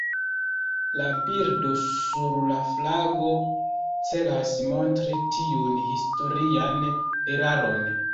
La birdo sur la flago celas montri tiun historian eraron.